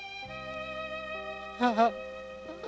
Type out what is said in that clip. ああ